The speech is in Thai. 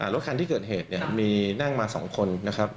รถคันที่เกิดเหตุมีนั่งมา๒คนนะครับ